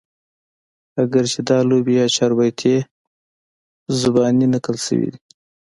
اګر چې دا لوبې يا چاربيتې زباني نقل شوي دي